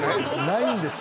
ないんですよ。